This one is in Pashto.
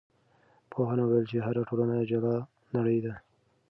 پوهانو وویل چې هره ټولنه جلا نړۍ ده.